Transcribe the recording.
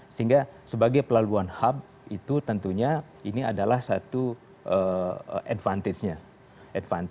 sehingga sebagai pelaluan hub itu tentunya ini adalah satu advantage nya